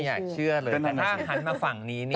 ไม่อยากเชื่อเลยแต่ถ้าหันมาฝั่งนี้เนี่ย